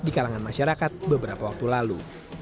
di kalangan masyarakat beberapa waktu lalu